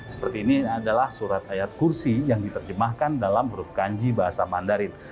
seperti ini adalah surat ayat kursi yang diterjemahkan dalam huruf kanji bahasa mandarin